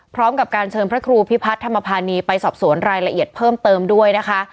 พร้อมกับการเชิญพระครูพิพัฒนธรรมภานีไปสอบสวนรายละเอียดเพิ่มเติมด้วยนะคะ